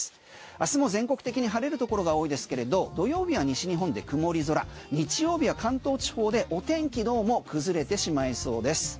明日も全国的に晴れるところが多いですけれど土曜日は西日本で曇り空日曜日は関東地方でお天気どうも崩れてしまいそうです。